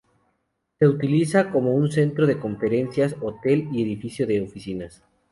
Se utiliza como un centro de conferencias, hotel y edificio de oficinas.